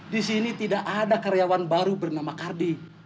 disini tidak ada karyawan baru bernama kardi